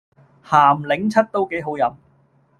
咸檸七都幾好飲